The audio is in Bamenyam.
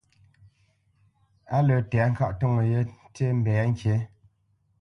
Á lə́ tɛ̌ŋkaʼ ntoŋə yé ntî mbɛ̌ ŋkǐ.